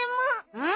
うん？